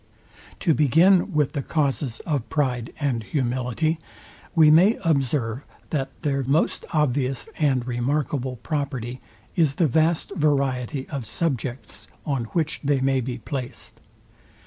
To begin with the causes of pride and humility; we may observe, that their most obvious and remarkable property is the vast variety of subjects, on which they may be placed.